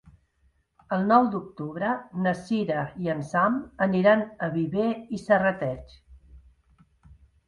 El nou d'octubre na Sira i en Sam aniran a Viver i Serrateix.